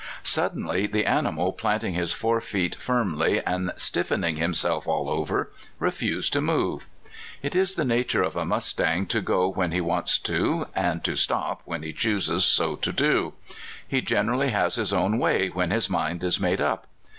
Suddenly the animal, planting his fore feet firm ly, and stiffening himself all over, refused to move. It is the nature of a mustang to go when he wants to, and to stop when he chooses so to do. He generally has his own way when his mind is made up.